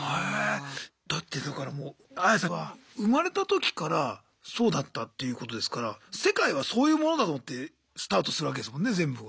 だってだからもうアヤさんは生まれた時からそうだったっていうことですから世界はそういうものだと思ってスタートするわけですもんね全部。